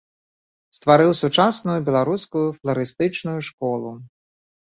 Стварыў сучасную беларускую фларыстычную школу.